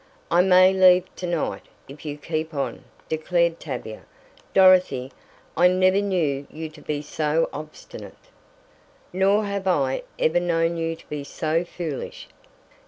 "I may leave to night if you keep on," declared Tavia. "Dorothy, I never knew you to be so obstinate." "Nor have I ever known you to be so foolish.